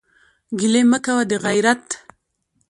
ګلې مه کوه دغېرت.